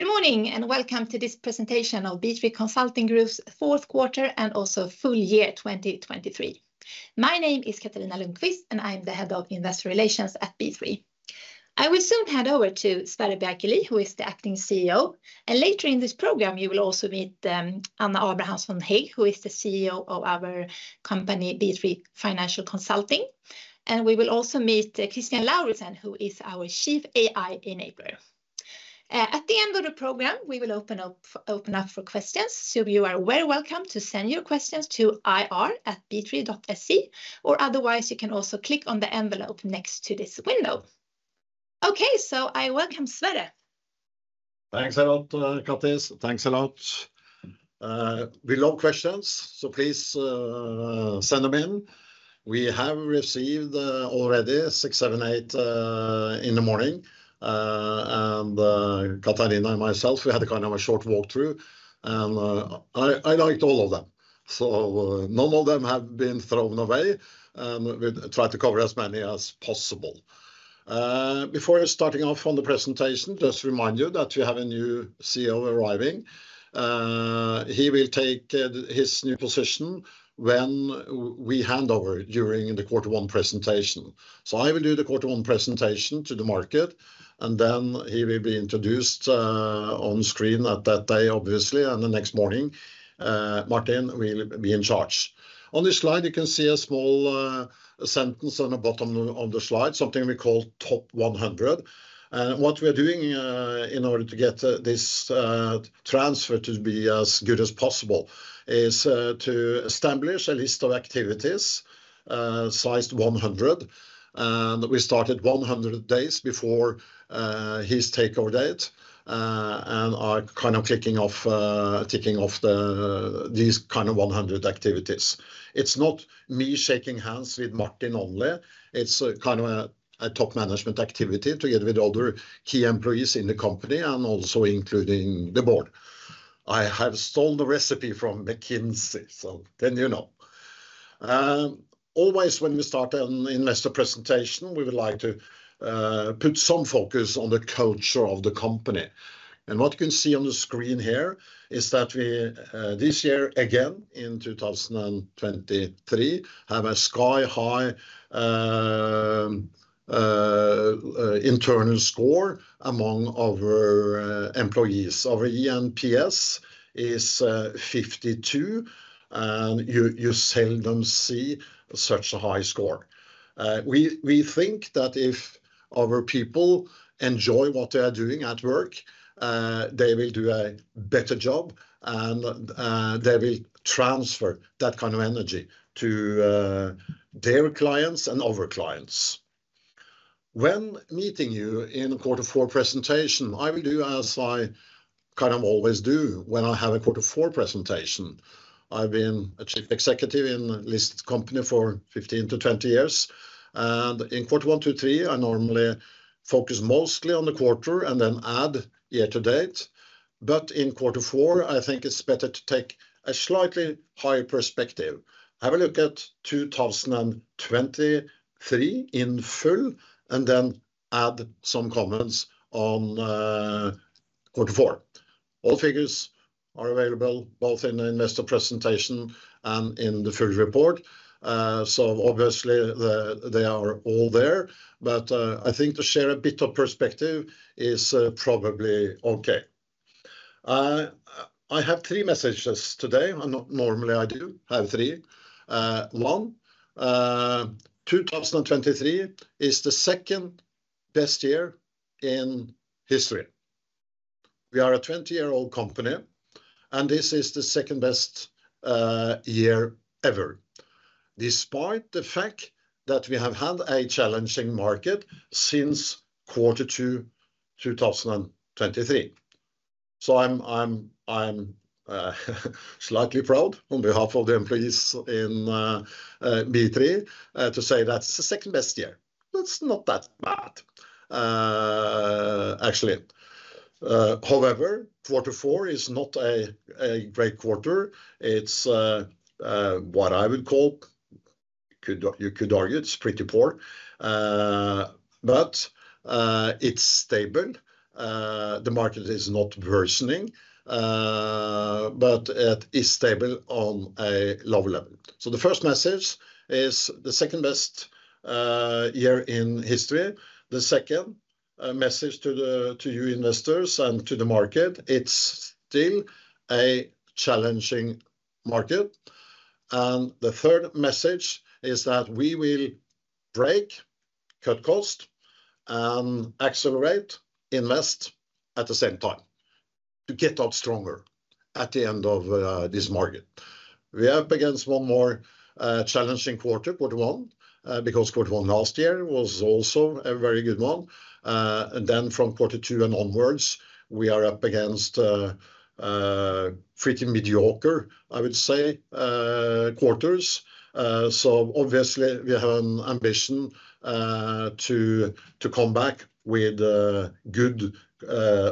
Good morning and welcome to this presentation of B3 Consulting Group's Q4 and also full year 2023. My name is Katarina Lundqvist, and I'm the Head of Investor Relations at B3. I will soon hand over to Sverre Bjerkeli, who is the Acting CEO, and later in this program you will also meet Anna Abrahamsson-Hägg, who is the CEO of our company B3 Financial Consulting, and we will also meet Christian Lauritzen, who is our Chief AI Enabler. At the end of the program we will open up for questions, so you are very welcome to send your questions to ir@b3.se, or otherwise you can also click on the envelope next to this window. Okay, so I welcome Sverre. Thanks a lot, Katis, thanks a lot. We love questions, so please send them in. We have received already six, seven, eight in the morning, and Katarina and myself, we had a kind of a short walkthrough, and I liked all of them. So none of them have been thrown away, and we'll try to cover as many as possible. Before starting off on the presentation, just remind you that we have a new CEO arriving. He will take his new position when we hand over during the Q1 presentation. So I will do the Q1 presentation to the market, and then he will be introduced on screen at that day, obviously, and the next morning, Martin will be in charge. On this slide you can see a small sentence on the bottom of the slide, something we call Top 100. What we are doing in order to get this transfer to be as good as possible is to establish a list of activities sized 100, and we started 100 days before his takeover date, and are kind of ticking off these kind of 100 activities. It's not me shaking hands with Martin only, it's kind of a top management activity together with other key employees in the company, and also including the board. I have stole the recipe from McKinsey, so then you know. Always when we start an investor presentation we would like to put some focus on the culture of the company. What you can see on the screen here is that we this year, again in 2023, have a sky-high internal score among our employees. Our eNPS is 52, and you seldom see such a high score. We think that if our people enjoy what they are doing at work, they will do a better job, and they will transfer that kind of energy to their clients and our clients. When meeting you in a Q4 presentation, I will do as I kind of always do when I have a Q4 presentation. I've been a Chief Executive in a listed company for 15-20 years, and in Q1, Q2, Q3 I normally focus mostly on the quarter and then add year to date. But in Q4 I think it's better to take a slightly higher perspective. Have a look at 2023 in full and then add some comments on Q4. All figures are available both in the investor presentation and in the full report, so obviously they are all there, but I think to share a bit of perspective is probably okay. I have three messages today, and normally I do have three. One: 2023 is the second best year in history. We are a 20-year-old company, and this is the second best year ever, despite the fact that we have had a challenging market since Q2 2023. So I'm slightly proud on behalf of the employees in B3 to say that it's the second best year. It's not that bad, actually. However, Q4 is not a great quarter. It's what I would call, you could argue, it's pretty poor, but it's stable. The market is not worsening, but it is stable on a low level. So the first message is the second best year in history. The second message to you investors and to the market: it's still a challenging market. And the third message is that we will break, cut costs, and accelerate, invest at the same time, to get out stronger at the end of this market. We are up against one more challenging quarter, Q1, because Q1 last year was also a very good one. And then from Q2 and onwards we are up against pretty mediocre, I would say, quarters. So obviously we have an ambition to come back with good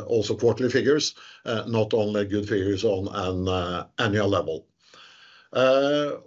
also quarterly figures, not only good figures on an annual level. Our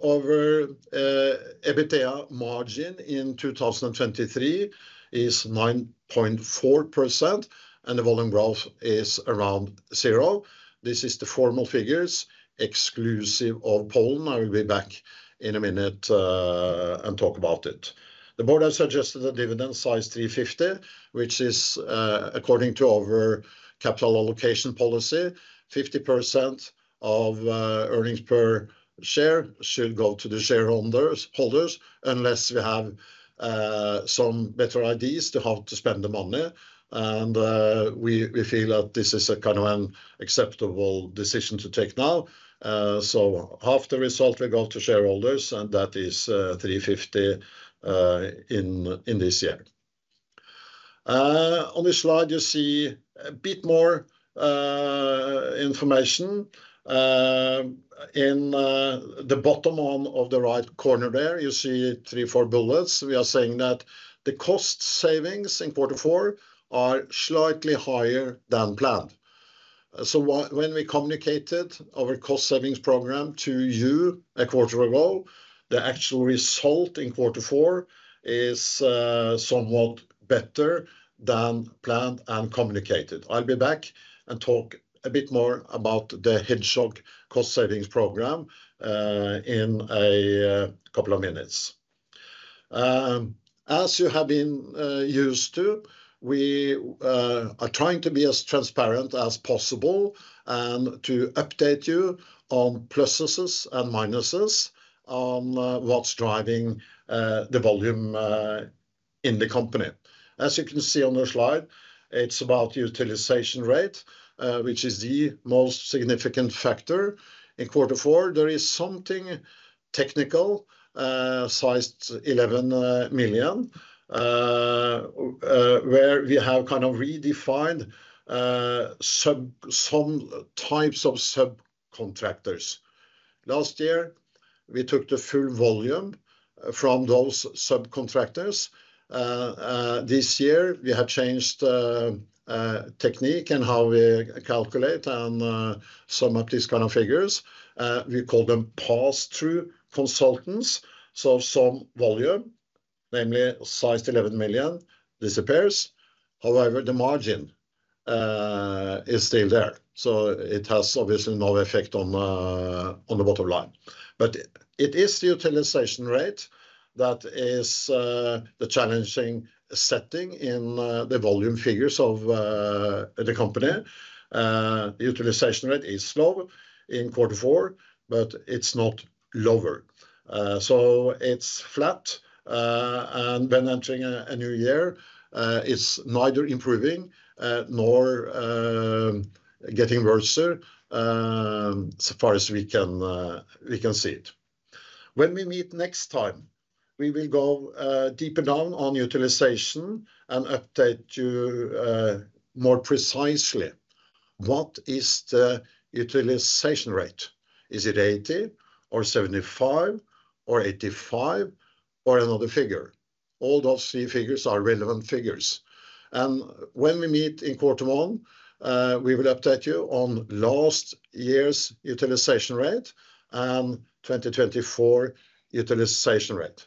EBITDA margin in 2023 is 9.4%, and the volume growth is around zero. This is the formal figures exclusive of Poland. I will be back in a minute and talk about it. The board has suggested a dividend sized 350, which is according to our capital allocation policy, 50% of earnings per share should go to the shareholders, unless we have some better ideas to how to spend the money. We feel that this is a kind of an acceptable decision to take now. Half the result will go to shareholders, and that is 350 in this year. On this slide you see a bit more information. In the bottom right corner there you see three to four bullets. We are saying that the cost savings in Q4 are slightly higher than planned. When we communicated our cost savings program to you a quarter ago, the actual result in Q4 is somewhat better than planned and communicated. I'll be back and talk a bit more about the Hedgehog cost savings program in a couple of minutes. As you have been used to, we are trying to be as transparent as possible and to update you on pluses and minuses on what's driving the volume in the company. As you can see on the slide, it's about utilization rate, which is the most significant factor. In Q4 there is something technical, sized 11 million, where we have kind of redefined some types of subcontractors. Last year we took the full volume from those subcontractors. This year we have changed technique and how we calculate and sum up these kind of figures. We call them pass-through consultants. So some volume, namely sized 11 million, disappears. However, the margin is still there. So it has obviously no effect on the bottom line. But it is the utilization rate that is the challenging setting in the volume figures of the company. The utilization rate is low in Q4, but it's not lower. It's flat, and when entering a new year it's neither improving nor getting worser, so far as we can see it. When we meet next time we will go deeper down on utilization and update you more precisely what is the utilization rate. Is it 80 or 75 or 85 or another figure? All those three figures are relevant figures. When we meet in Q1 we will update you on last year's utilization rate and 2024 utilization rate.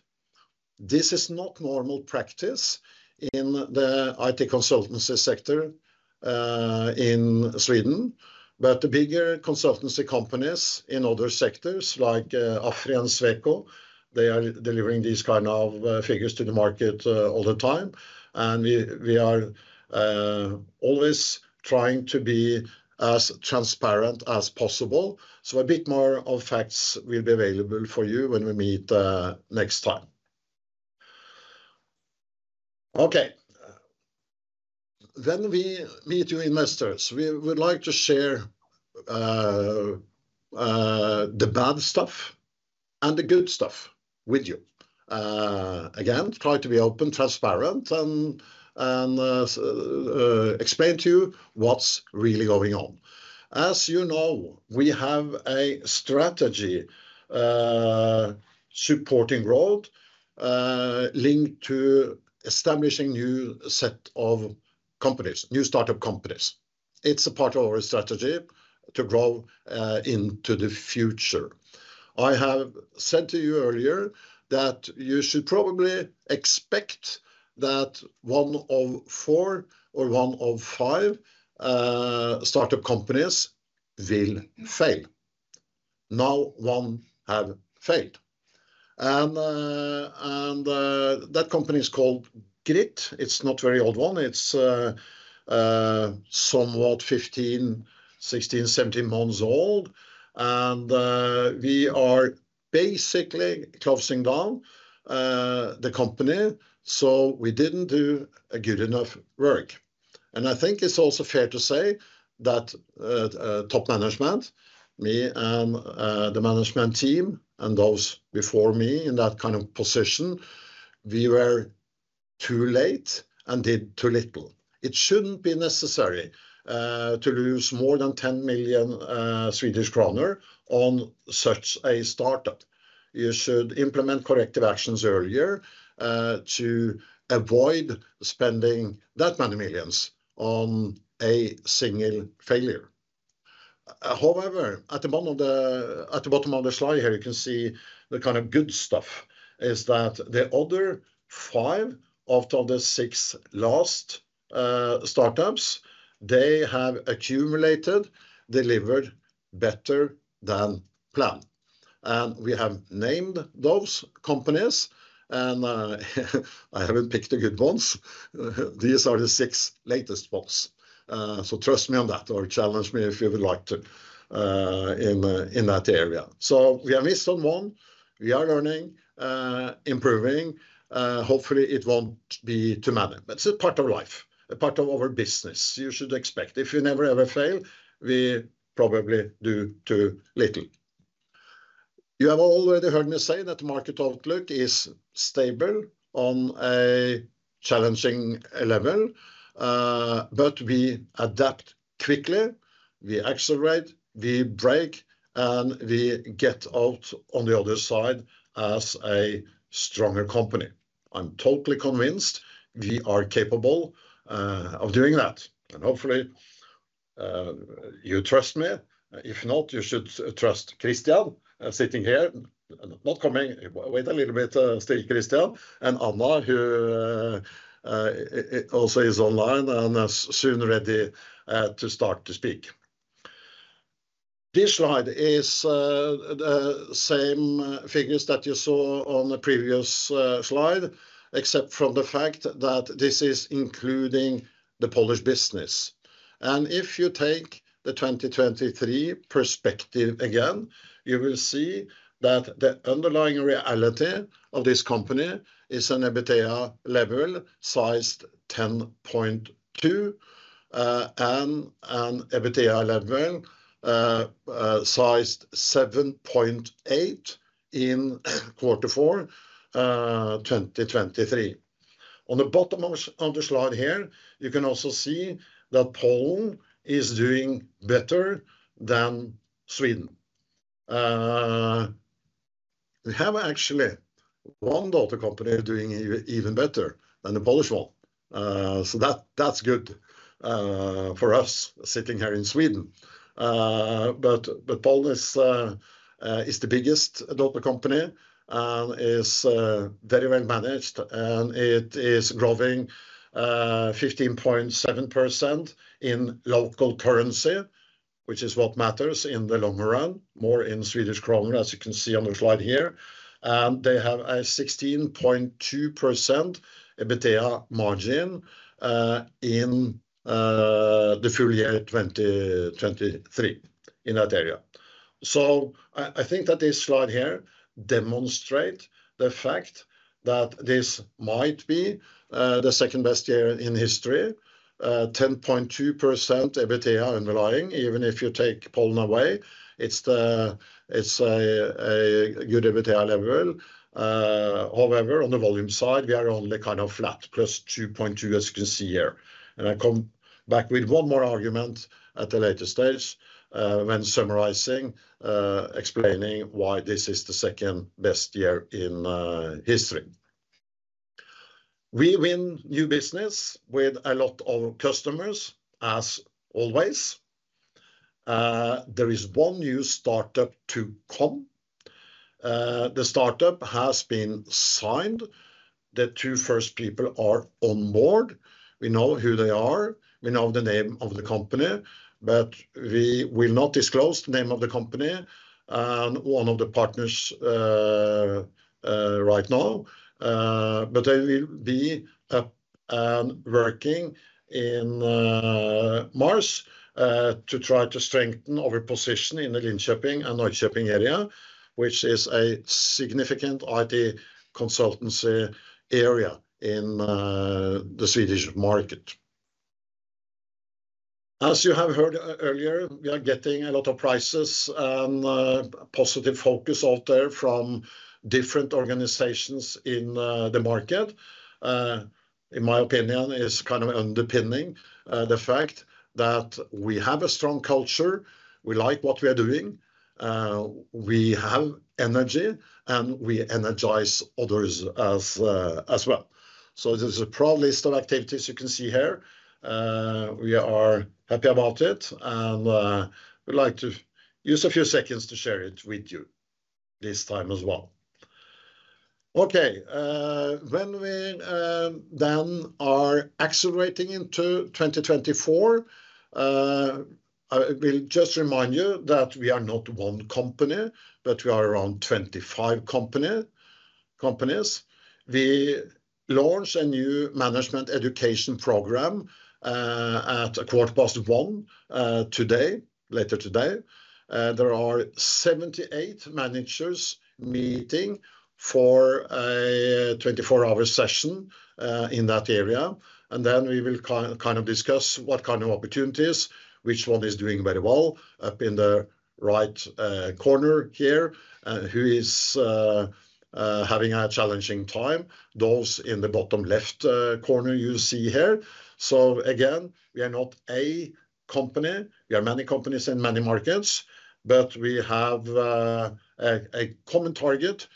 This is not normal practice in the IT consultancy sector in Sweden, but the bigger consultancy companies in other sectors like AFRY and Sweco, they are delivering these kind of figures to the market all the time. We are always trying to be as transparent as possible. So a bit more of facts will be available for you when we meet next time. Okay. When we meet you investors, we would like to share the bad stuff and the good stuff with you. Again, try to be open, transparent, and explain to you what's really going on. As you know, we have a strategy supporting growth linked to establishing a new set of companies, new startup companies. It's a part of our strategy to grow into the future. I have said to you earlier that you should probably expect that one of four or one of five startup companies will fail. Now one has failed. And that company is called Grit. It's not a very old one. It's somewhat 15, 16, 17 months old. And we are basically closing down the company, so we didn't do good enough work. I think it's also fair to say that top management, me and the management team and those before me in that kind of position, we were too late and did too little. It shouldn't be necessary to lose more than 10 million Swedish kronor on such a startup. You should implement corrective actions earlier to avoid spending that many millions on a single failure. However, at the bottom of the slide here you can see the kind of good stuff is that the other five out of the six last startups, they have accumulated, delivered better than planned. And we have named those companies, and I haven't picked the good ones. These are the six latest ones. So trust me on that, or challenge me if you would like to in that area. So we have missed on one. We are learning, improving. Hopefully it won't be too many, but it's a part of life, a part of our business. You should expect. If you never, ever fail, we probably do too little. You have already heard me say that the market outlook is stable on a challenging level, but we adapt quickly. We accelerate, we break, and we get out on the other side as a stronger company. I'm totally convinced we are capable of doing that. And hopefully you trust me. If not, you should trust Christian sitting here, not coming. Wait a little bit still, Christian. And Anna, who also is online and soon ready to start to speak. This slide is the same figures that you saw on the previous slide, except from the fact that this is including the Polish business. And if you take the 2023 perspective again, you will see that the underlying reality of this company is an EBITDA level sized 10.2 and an EBITDA level sized 7.8 in Q4 2023. On the bottom of the slide here, you can also see that Poland is doing better than Sweden. We have actually one daughter company doing even better than the Polish one. So that's good for us sitting here in Sweden. But Poland is the biggest daughter company and is very, very managed. And it is growing 15.7% in local currency, which is what matters in the longer run, more in Swedish Kronor, as you can see on the slide here. And they have a 16.2% EBITDA margin in the full year 2023 in that area. So I think that this slide here demonstrates the fact that this might be the second best year in history. 10.2% EBITDA underlying, even if you take Poland away, it's a good EBITDA level. However, on the volume side, we are only kind of flat, +2.2%, as you can see here. And I come back with one more argument at the later stage when summarizing, explaining why this is the second best year in history. We win new business with a lot of customers, as always. There is one new startup to come. The startup has been signed. The two first people are on board. We know who they are. We know the name of the company, but we will not disclose the name of the company and one of the partners right now. But they will be up and working in March to try to strengthen our position in the Linköping and Norrköping area, which is a significant IT consultancy area in the Swedish market. As you have heard earlier, we are getting a lot of prizes and positive focus out there from different organizations in the market. In my opinion, it's kind of underpinning the fact that we have a strong culture. We like what we are doing. We have energy, and we energize others as well. So there's a proud list of activities you can see here. We are happy about it, and we'd like to use a few seconds to share it with you this time as well. Okay. When we then are accelerating into 2024, I will just remind you that we are not one company, but we are around 25 companies. We launched a new management education program at 1:15 P.M. today, later today. There are 78 managers meeting for a 24-hour session in that area. And then we will kind of discuss what kind of opportunities, which one is doing very well up in the right corner here, and who is having a challenging time, those in the bottom left corner you see here. Again, we are not a company. We are many companies in many markets, but we have a common target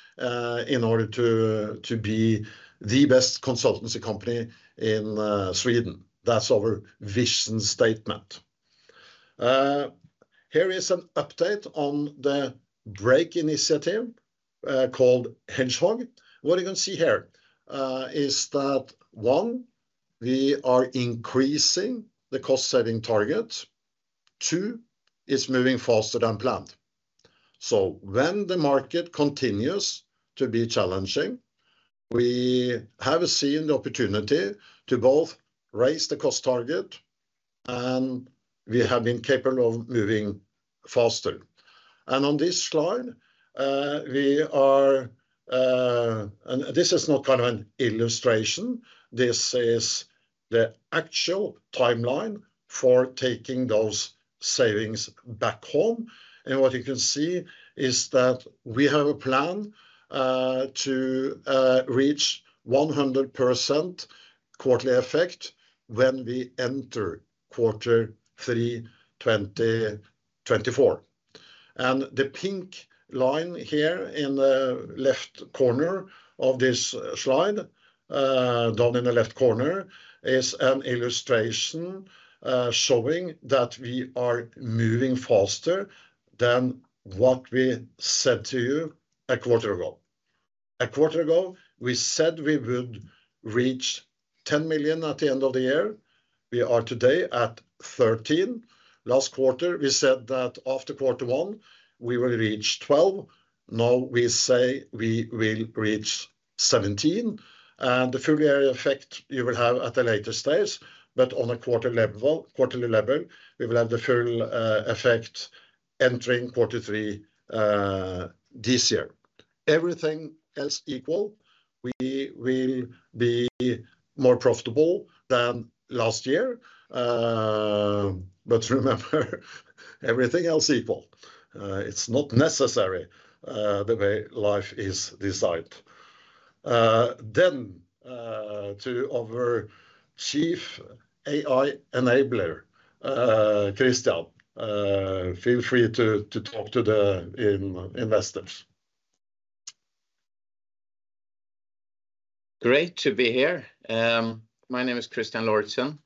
in order to be the best consultancy company in Sweden. That's our vision statement. Here is an update on the break initiative called Hedgehog. What you can see here is that, one, we are increasing the cost-setting target. Two, it's moving faster than planned. When the market continues to be challenging, we have seen the opportunity to both raise the cost target, and we have been capable of moving faster. And on this slide, we are, and this is not kind of an illustration. This is the actual timeline for taking those savings back home. What you can see is that we have a plan to reach 100% quarterly effect when we enter Q3 2024. The pink line here in the left corner of this slide, down in the left corner, is an illustration showing that we are moving faster than what we said to you a quarter ago. A quarter ago, we said we would reach 10 million at the end of the year. We are today at 13 million. Last quarter, we said that after Q1, we will reach 12 million. Now we say we will reach 17 million. The full area effect you will have at the later stage. But on a quarterly level, we will have the full effect entering Q3 this year. Everything else equal, we will be more profitable than last year. But remember, everything else equal. It's not necessary the way life is designed. Then, to our Chief AI Enabler, Christian, feel free to talk to the investors. Great to be here. My name is Christian Lauritzen.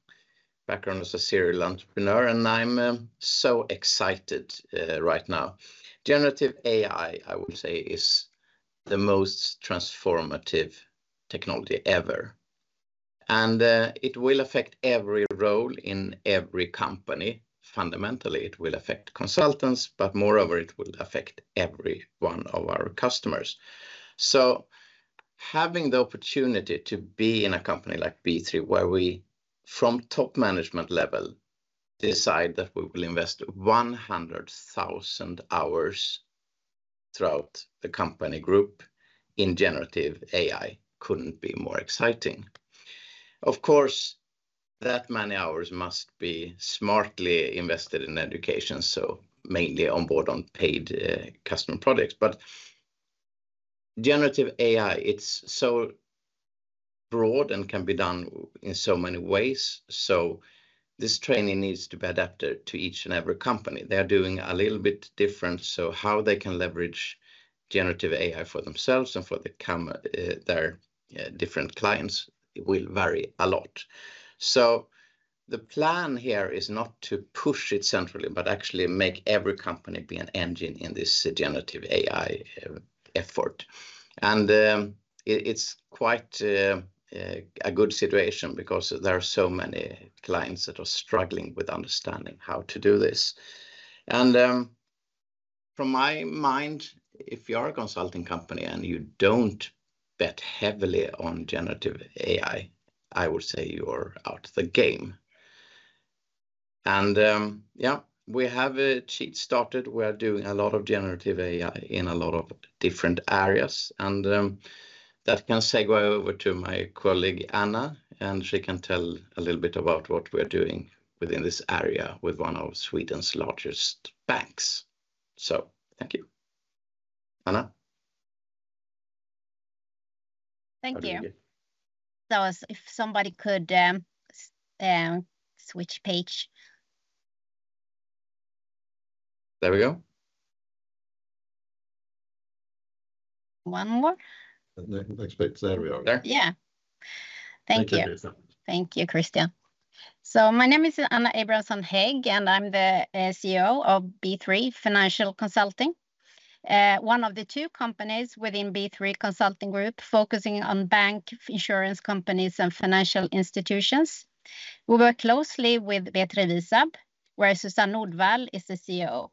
Background is as a serial entrepreneur, and I'm so excited right now. Generative AI, I would say, is the most transformative technology ever. It will affect every role in every company. Fundamentally, it will affect consultants, but moreover, it will affect every one of our customers. Having the opportunity to be in a company like B3, where we, from top management level, decide that we will invest 100,000 hours throughout the company group in generative AI, couldn't be more exciting. Of course, that many hours must be smartly invested in education, so mainly on board on paid customer projects. Generative AI, it's so broad and can be done in so many ways. This training needs to be adapted to each and every company. They are doing a little bit different. So how they can leverage Generative AI for themselves and for their different clients will vary a lot. The plan here is not to push it centrally, but actually make every company be an engine in this Generative AI effort. It's quite a good situation because there are so many clients that are struggling with understanding how to do this. From my mind, if you are a consulting company and you don't bet heavily on Generative AI, I would say you are out of the game. Yeah, we have a head start. We are doing a lot of Generative AI in a lot of different areas. And that can segue over to my colleague Anna, and she can tell a little bit about what we are doing within this area with one of Sweden's largest banks. So thank you, Anna. Thank you. That was if somebody could switch page. Yeah. Thank you. Thank you, Christian. So my name is Anna Abrahamsson Hägg, and I'm the CEO of B3 Financial Consulting, one of the two companies within B3 Consulting Group focusing on bank, insurance companies, and financial institutions. We work closely with B3 Visab, where Susanne Nordvall is the CEO.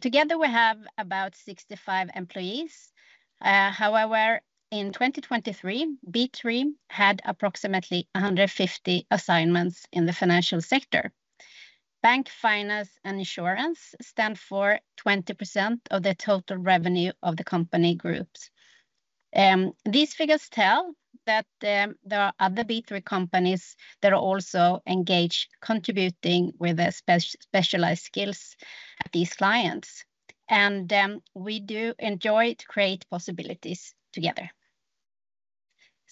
Together, we have about 65 employees. However, in 2023, B3 had approximately 150 assignments in the financial sector. Bank, finance, and insurance stand for 20% of the total revenue of the company groups. These figures tell that there are other B3 companies that are also engaged, contributing with specialized skills at these clients. We do enjoy to create possibilities together.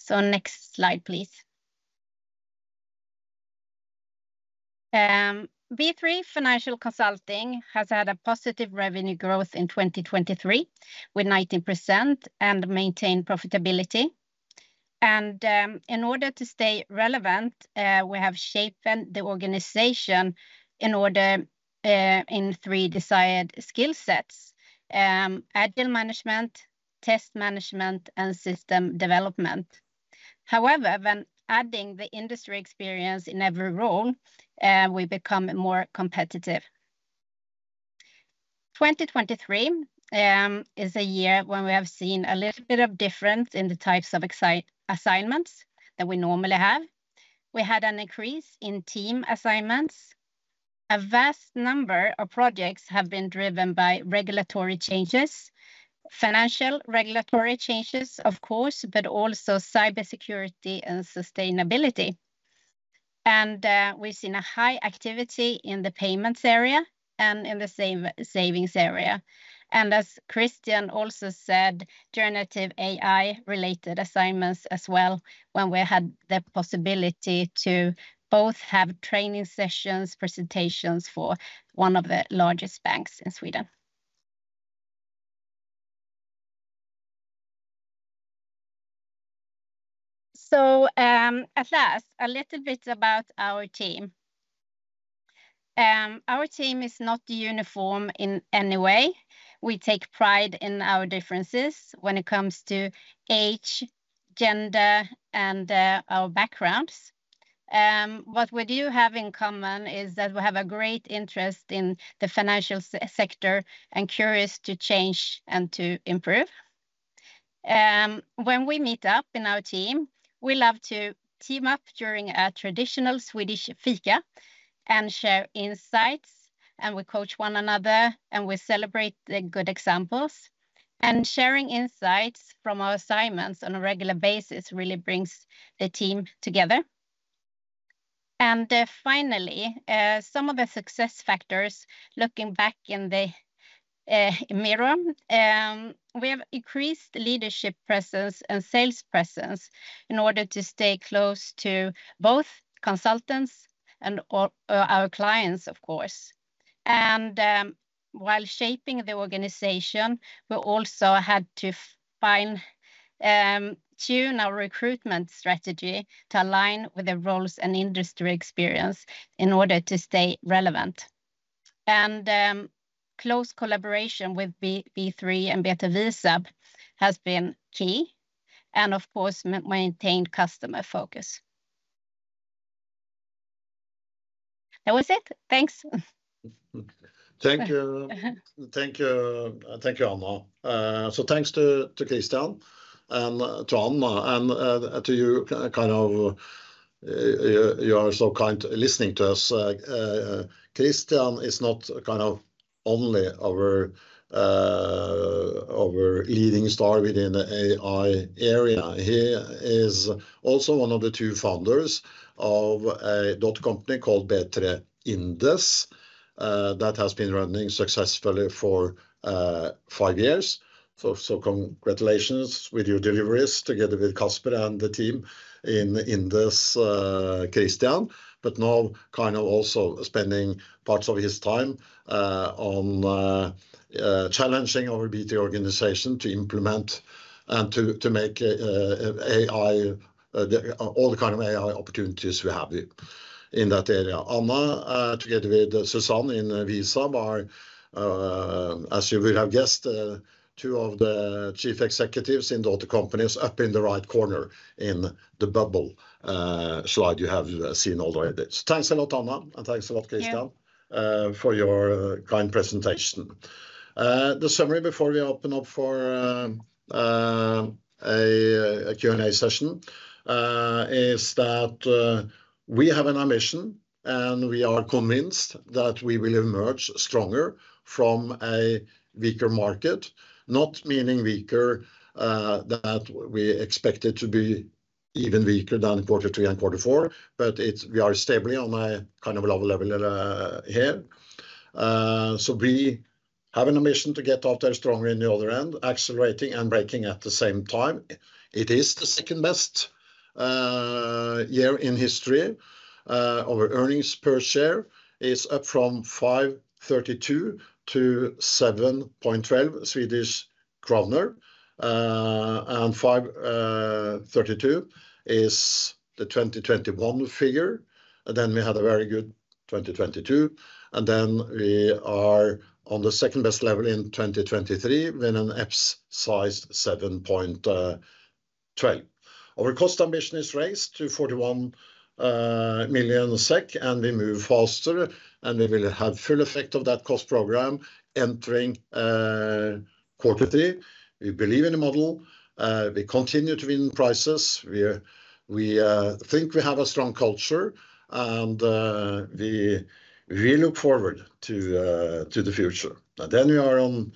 Next slide, please. B3 Financial Consulting has had a positive revenue growth in 2023 with 19% and maintained profitability. In order to stay relevant, we have sharpened the organization in three desired skill sets: agile management, test management, and system development. However, when adding the industry experience in every role, we become more competitive. 2023 is a year when we have seen a little bit of difference in the types of assignments that we normally have. We had an increase in team assignments. A vast number of projects have been driven by regulatory changes, financial regulatory changes, of course, but also cybersecurity and sustainability. We've seen a high activity in the payments area and in the same savings area. As Christian also said, Generative AI-related assignments as well when we had the possibility to both have training sessions, presentations for one of the largest banks in Sweden. At last, a little bit about our team. Our team is not uniform in any way. We take pride in our differences when it comes to age, gender, and our backgrounds. What we do have in common is that we have a great interest in the financial sector and are curious to change and to improve. When we meet up in our team, we love to team up during a traditional Swedish fika and share insights. And we coach one another, and we celebrate the good examples. And sharing insights from our assignments on a regular basis really brings the team together. And finally, some of the success factors looking back in the mirror, we have increased leadership presence and sales presence in order to stay close to both consultants and our clients, of course. And while shaping the organization, we also had to tune our recruitment strategy to align with the roles and industry experience in order to stay relevant. And close collaboration with B3 and B3 Visab has been key and, of course, maintained customer focus. That was it. Thanks. Thank you. Thank you, Anna. So thanks to Christian and to Anna and to you kind of you are so kind listening to us. Christian is not kind of only our leading star within the AI area. He is also one of the two founders of a daughter company called B3 Indes that has been running successfully for five years. So congratulations with your deliveries together with Kasper and the team in Indes, Christian, but now kind of also spending parts of his time on challenging our B3 organization to implement and to make all the kind of AI opportunities we have in that area. Anna, together with Susanne in Visab, are, as you will have guessed, two of the chief executives in our companies up in the right corner in the bubble slide you have seen already. So thanks a lot, Anna, and thanks a lot, Christian, for your kind presentation. The summary before we open up for a Q&A session is that we have an ambition and we are convinced that we will emerge stronger from a weaker market, not meaning weaker that we expect it to be even weaker than Q3 and Q4, but we are stably on a kind of lower level here. So we have an ambition to get out there stronger in the other end, accelerating and breaking at the same time. It is the second-best year in history. Our earnings per share is up from 5.32 to 7.12 Swedish kronor, and 5.32 is the 2021 figure. Then we had a very good 2022, and then we are on the second-best level in 2023 with an EPS of 7.12. Our cost ambition is raised to 41 million SEK, and we move faster, and we will have full effect of that cost program entering Q3. We believe in the model. We continue to win prizes. We think we have a strong culture, and we really look forward to the future. And then we are on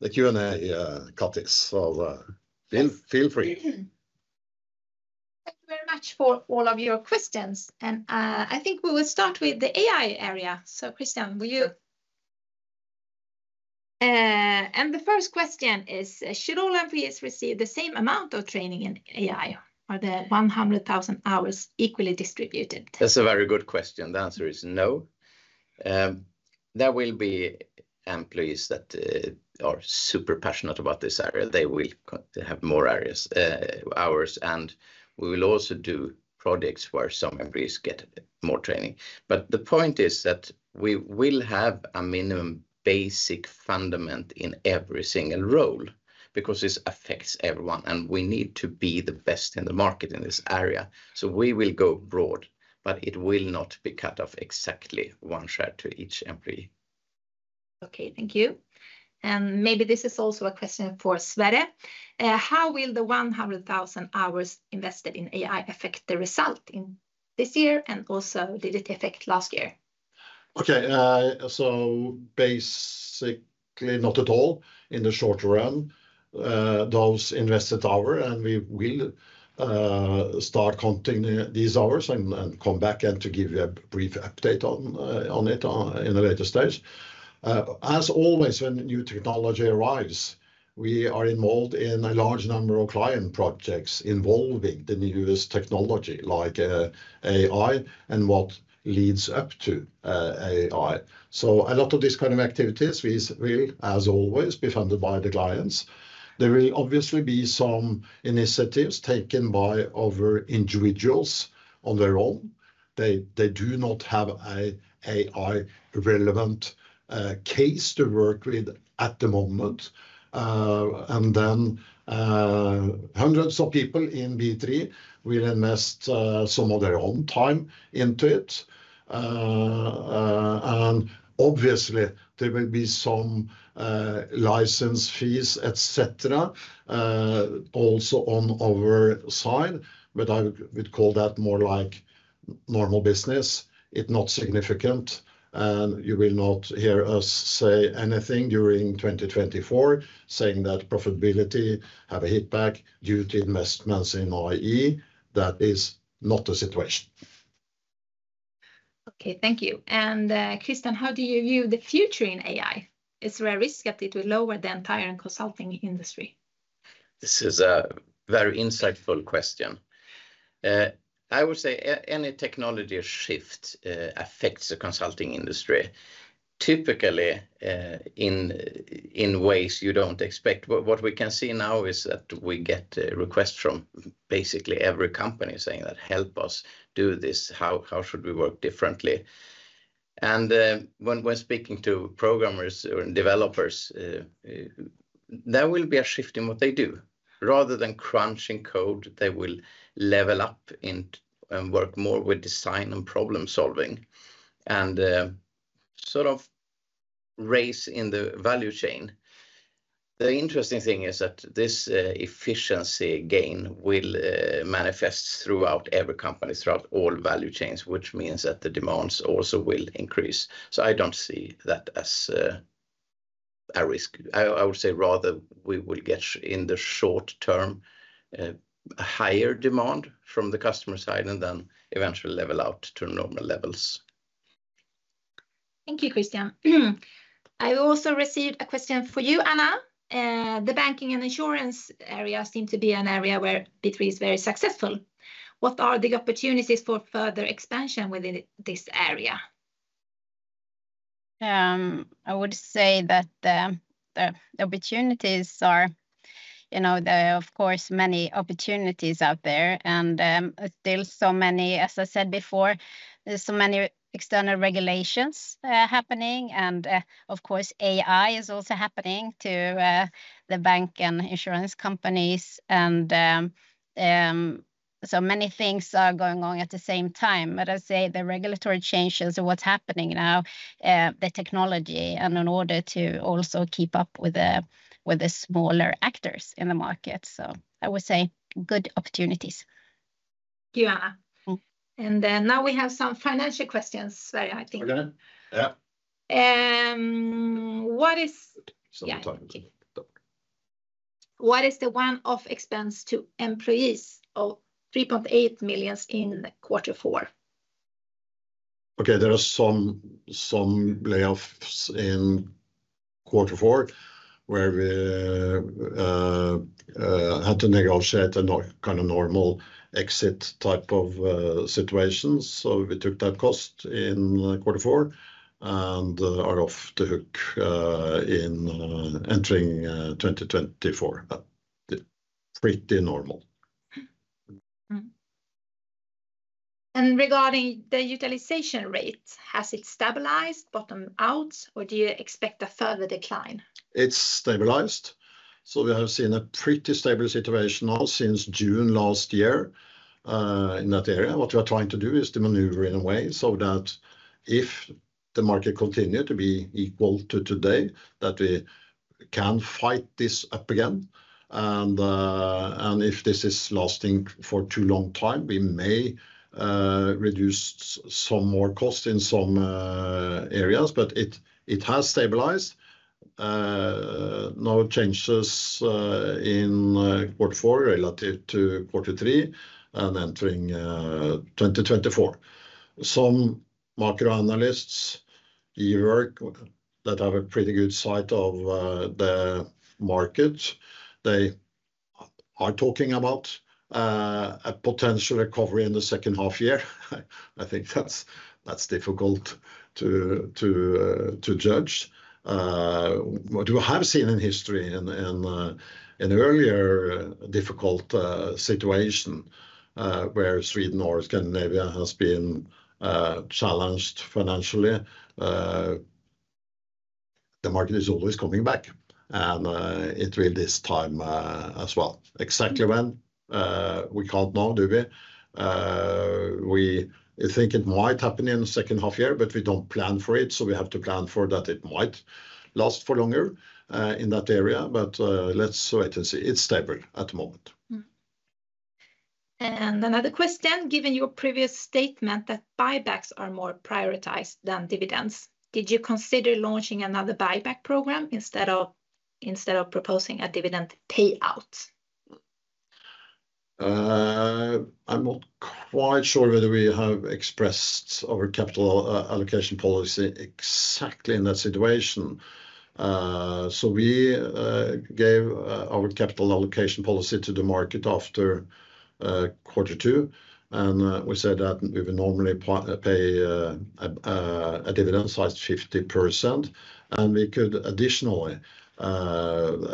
the Q&A now. So feel free. Thank you very much for all of your questions. And I think we will start with the AI area. So, Christian, will you? And the first question is, should all employees receive the same amount of training in AI? Are the 100,000 hours equally distributed? That's a very good question. The answer is no. There will be employees that are super passionate about this area. They will have more hours. And we will also do projects where some employees get more training. But the point is that we will have a minimum basic foundation in every single role because this affects everyone. And we need to be the best in the market in this area. So we will go broad, but it will not be cut off exactly one share to each employee. Okay. Thank you. And maybe this is also a question for Sverre. How will the 100,000 hours invested in AI affect the result this year, and also did it affect last year? Okay, so basically, not at all in the short run. Those invested hours, and we will start counting these hours and come back and to give you a brief update on it in a later stage. As always, when new technology arrives, we are involved in a large number of client projects involving the newest technology, like AI, and what leads up to AI. So a lot of these kind of activities will, as always, be funded by the clients. There will obviously be some initiatives taken by other individuals on their own. They do not have an AI-relevant case to work with at the moment. And then hundreds of people in B3 will invest some of their own time into it. And obviously, there will be some license fees, etc., also on our side. But I would call that more like normal business. It's not significant. And you will not hear us say anything during 2024 saying that profitability has a hitback due to investments in IE. That is not the situation. Okay. Thank you. And Christian, how do you view the future in AI? Is there a risk that it will lower the entire consulting industry? This is a very insightful question. I would say any technology shift affects the consulting industry, typically in ways you don't expect. What we can see now is that we get requests from basically every company saying that, "Help us do this. How should we work differently?" And when speaking to programmers or developers, there will be a shift in what they do. Rather than crunching code, they will level up and work more with design and problem-solving and sort of raise in the value chain. The interesting thing is that this efficiency gain will manifest throughout every company, throughout all value chains, which means that the demands also will increase. So I don't see that as a risk. I would say rather we will get in the short term a higher demand from the customer side and then eventually level out to normal levels. Thank you, Christian. I also received a question for you, Anna. The banking and insurance area seem to be an area where B3 is very successful. What are the opportunities for further expansion within this area? I would say that the opportunities are of course, many opportunities out there. And still so many, as I said before, there's so many external regulations happening. And of course, AI is also happening to the bank and insurance companies. And so many things are going on at the same time. But I'd say the regulatory changes are what's happening now, the technology, and in order to also keep up with the smaller actors in the market. So I would say good opportunities. Thank you, Anna. And now we have some financial questions, Sverre, I think. What is the one-off expense to employees of 3.8 million in Q4? Okay. There are some layoffs in Q4 where we had to negotiate a kind of normal exit type of situation. So we took that cost in Q4 and are off the hook entering 2024. Pretty normal. And regarding the utilization rate, has it stabilized, bottom out, or do you expect a further decline? It's stabilized. So we have seen a pretty stable situation now since June last year in that area. What we are trying to do is to maneuver in a way so that if the market continues to be equal to today, that we can fight this up again. And if this is lasting for too long time, we may reduce some more cost in some areas. But it has stabilized. No changes in Q4 relative to Q3 and entering 2024. Some macro analysts that have a pretty good sight of the market, they are talking about a potential recovery in the second half year. I think that's difficult to judge. What we have seen in history in an earlier difficult situation where Sweden or Scandinavia has been challenged financially, the market is always coming back. And it will this time as well. Exactly when? We can't know, do we? We think it might happen in the second half year, but we don't plan for it. So we have to plan for that it might last for longer in that area. But let's wait and see. It's stable at the moment. And another question, given your previous statement that buybacks are more prioritized than dividends, did you consider launching another buyback program instead of proposing a dividend payout? I'm not quite sure whether we have expressed our capital allocation policy exactly in that situation. So we gave our capital allocation policy to the market after Q2. And we said that we would normally pay a dividend sized 50%. And we could additionally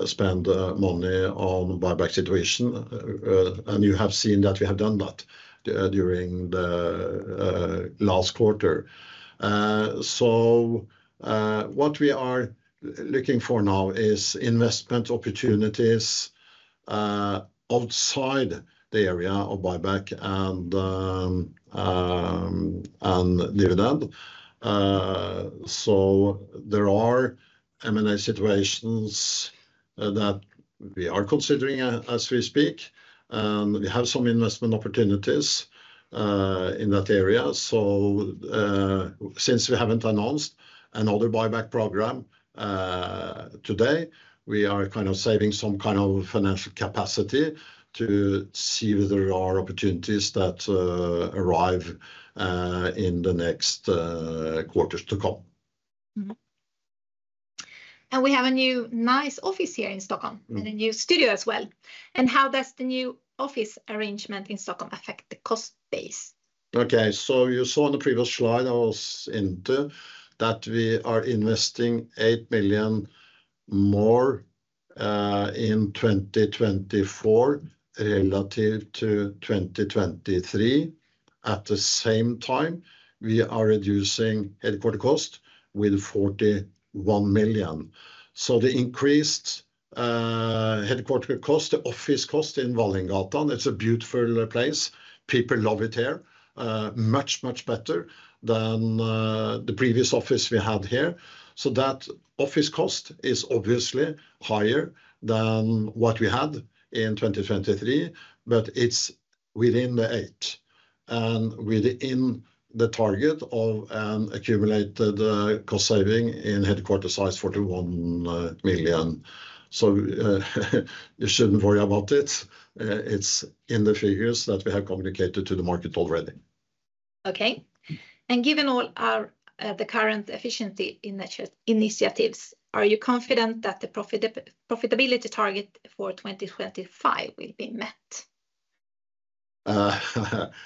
spend money on buyback situation. And you have seen that we have done that during the last quarter. So what we are looking for now is investment opportunities outside the area of buyback and dividend. So there are M&A situations that we are considering as we speak. We have some investment opportunities in that area. So since we haven't announced another buyback program today, we are kind of saving some kind of financial capacity to see whether there are opportunities that arrive in the next quarters to come. We have a new nice office here in Stockholm and a new studio as well. How does the new office arrangement in Stockholm affect the cost base? Okay. So you saw in the previous slide I was into that we are investing 8 million more in 2024 relative to 2023. At the same time, we are reducing headquarter cost with 41 million. So the increased headquarter cost, the office cost in Wallingatan, it's a beautiful place. People love it here. Much, much better than the previous office we had here. So that office cost is obviously higher than what we had in 2023, but it's within the 8. And we're in the target of an accumulated cost saving in headquarters sized 41 million. So you shouldn't worry about it. It's in the figures that we have communicated to the market already. Okay. And given all the current efficiency initiatives, are you confident that the profitability target for 2025 will be met?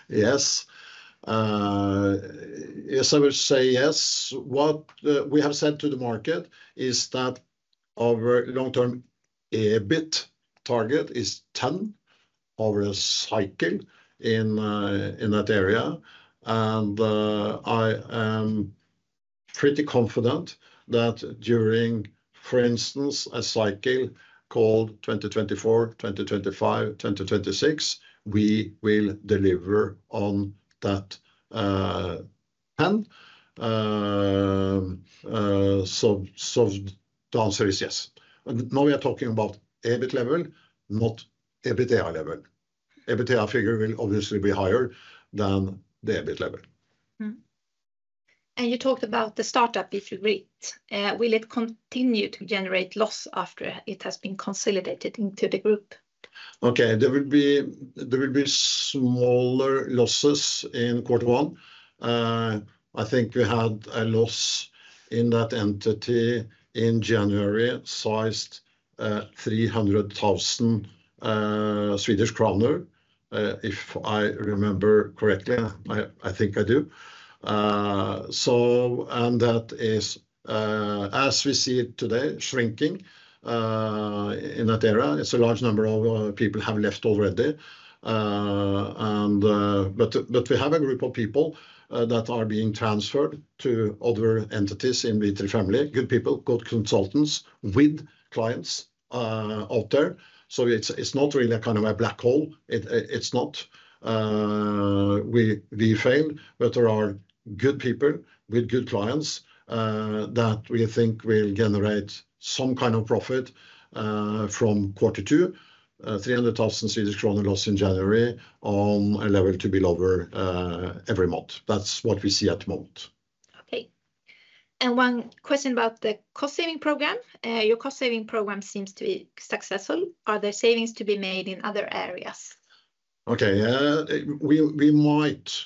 Yes. Yes, I would say yes. What we have said to the market is that our long-term EBIT target is 10 over a cycle in that area. And I am pretty confident that during, for instance, a cycle called 2024, 2025, 2026, we will deliver on that 10. So the answer is yes. Now we are talking about EBIT level, not EBITDA level. EBITDA figure will obviously be higher than the EBIT level. You talked about the startup, if you agree. Will it continue to generate loss after it has been consolidated into the group? Okay. There will be smaller losses in Q1. I think we had a loss in that entity in January sized 300,000 Swedish kronor, if I remember correctly. I think I do. And that is, as we see it today, shrinking in that area. It's a large number of people have left already. But we have a group of people that are being transferred to other entities in B3 family. Good people, good consultants with clients out there. So it's not really a kind of a black hole. It's not. We failed, but there are good people with good clients that we think will generate some kind of profit from Q2, 300,000 Swedish kronor loss in January on a level to be lower every month. That's what we see at the moment. Okay. And one question about the cost saving program. Your cost saving program seems to be successful. Are there savings to be made in other areas? Okay. We might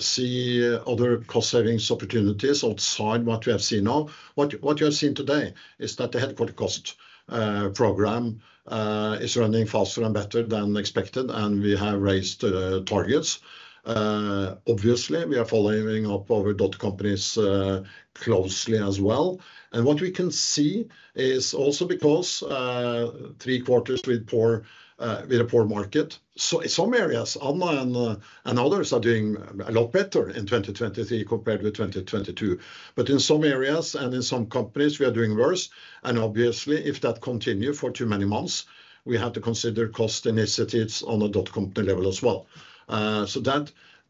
see other cost savings opportunities outside what we have seen now. What you have seen today is that the headquarters cost program is running faster and better than expected. And we have raised targets. Obviously, we are following up over DOT companies closely as well. And what we can see is also because three quarters with a poor market. So in some areas, Anna and others are doing a lot better in 2023 compared with 2022. But in some areas and in some companies, we are doing worse. And obviously, if that continues for too many months, we have to consider cost initiatives on a daughter company level as well. So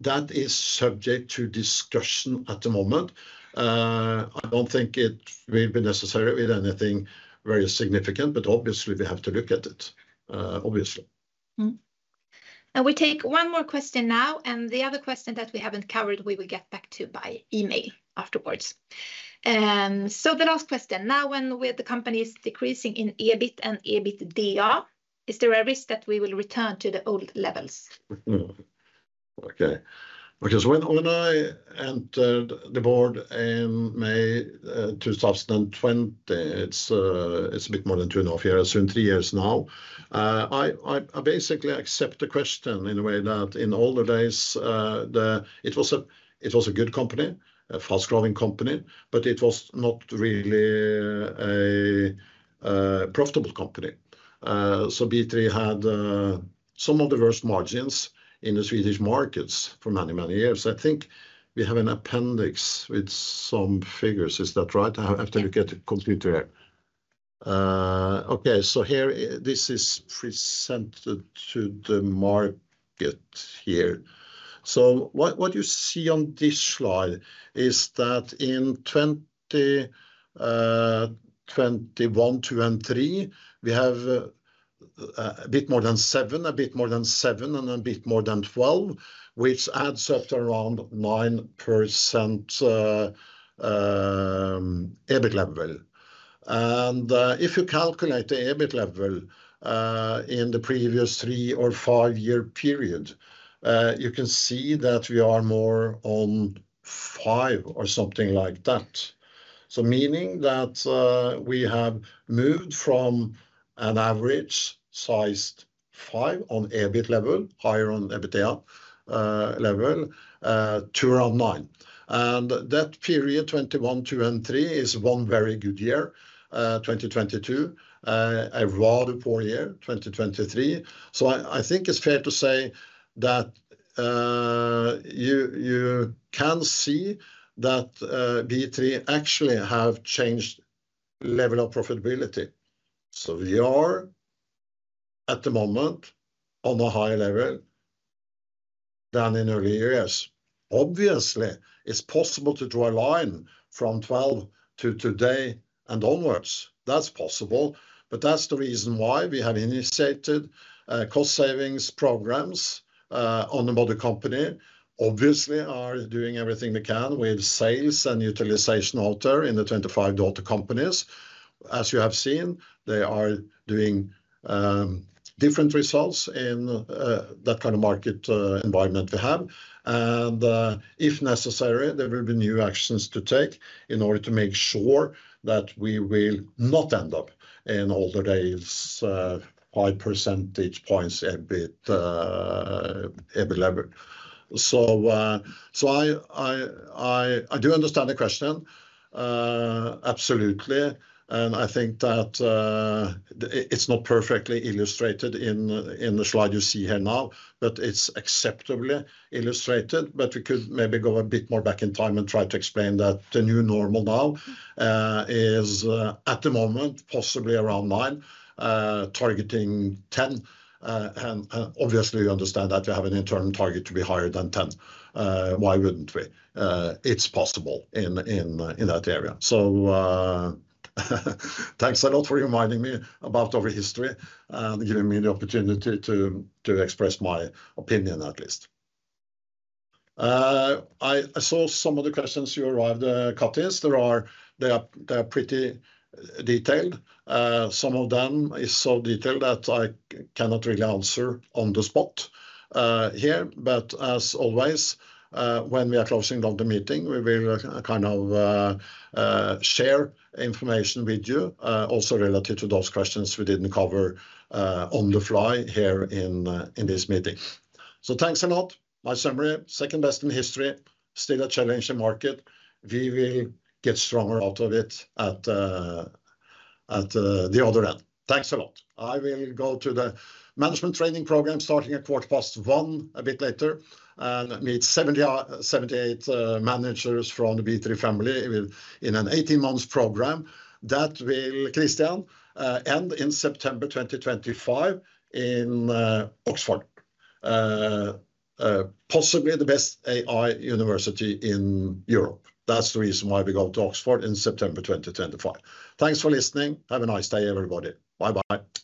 that is subject to discussion at the moment. I don't think it will be necessary with anything very significant. But obviously, we have to look at it, obviously. We take one more question now. The other question that we haven't covered, we will get back to by email afterwards. So the last question. Now when the company is decreasing in EBIT and EBITDA, is there a risk that we will return to the old levels? Okay. Because when I entered the board in May 2020, it's a bit more than two and a half years. So in three years now, I basically accept the question in a way that in older days, it was a good company, a fast-growing company, but it was not really a profitable company. So B3 had some of the worst margins in the Swedish markets for many, many years. I think we have an appendix with some figures. Is that right? I have to look at the computer here. Okay. So here, this is presented to the market here. So what you see on this slide is that in 2021, 2023, we have a bit more than seven, a bit more than seven, and a bit more than 12, which adds up to around 9% EBIT level. And if you calculate the EBIT level in the previous three or five-year period, you can see that we are more on five or something like that. So meaning that we have moved from an average sized five on EBIT level, higher on EBITDA level, to around nine. And that period, 2021, 2023, is one very good year, 2022. A rather poor year, 2023. So I think it's fair to say that you can see that B3 actually have changed level of profitability. So we are at the moment on a higher level than in earlier years. Obviously, it's possible to draw a line from 12 to today and onwards. That's possible. But that's the reason why we have initiated cost savings programs on another company. Obviously, we are doing everything we can with sales and utilization out there in the 25+ companies. As you have seen, they are doing different results in that kind of market environment we have. And if necessary, there will be new actions to take in order to make sure that we will not end up in older days' 5 percentage points EBIT level. So I do understand the question. Absolutely. And I think that it's not perfectly illustrated in the slide you see here now. But it's acceptably illustrated. We could maybe go a bit more back in time and try to explain that the new normal now is at the moment possibly around nine, targeting 10. And obviously, you understand that we have an internal target to be higher than 10. Why wouldn't we? It's possible in that area. So thanks a lot for reminding me about our history and giving me the opportunity to express my opinion, at least. I saw some of the questions you arrived, Kattis. They are pretty detailed. Some of them are so detailed that I cannot really answer on the spot here. But as always, when we are closing down the meeting, we will kind of share information with you, also relative to those questions we didn't cover on the fly here in this meeting. So thanks a lot. My summary: second best in history, still a challenging market. We will get stronger out of it at the other end. Thanks a lot. I will go to the management training program starting at 1:15 P.M. a bit later and meet 78 managers from the B3 family in an 18-month program that will, Christian, end in September 2025 in Oxford, possibly the best AI university in Europe. That's the reason why we go to Oxford in September 2025. Thanks for listening. Have a nice day, everybody. Bye-bye.